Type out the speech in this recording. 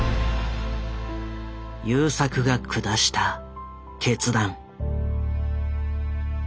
優作が下した決断。